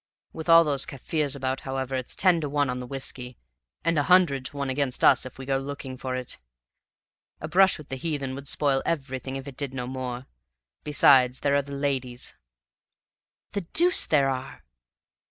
With all those Kaffirs about, however, it's ten to one on the whiskey, and a hundred to one against us if we go looking for it. A brush with the heathen would spoil everything, if it did no more. Besides, there are the ladies " "The deuce there are!"